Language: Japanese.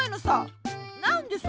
なんでさ！